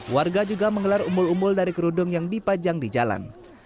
warga juga menggelar umbul umbul dari kerudung yang dipajang di jalan